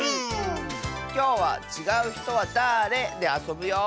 きょうは「ちがうひとはだれ？」であそぶよ！